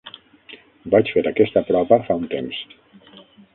Vaig fer aquesta prova fa un temps.